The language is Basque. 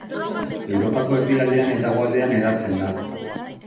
Europako erdialdean eta hegoaldean hedatzen da.